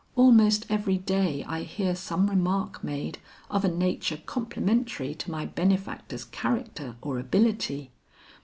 Almost every day I hear some remark made of a nature complimentary to my benefactor's character or ability.